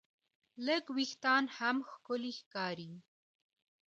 لږ وېښتيان هم ښکلي ښکاري.